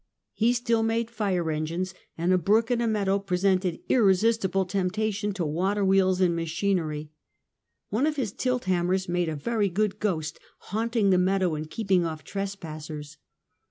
He still made fire engines, and a brook in a meadow presented irresistible temptation to water wheels and machinery. One of his tilt ham mers made a very good ghost, haunting the meadow and keeping off trespassers.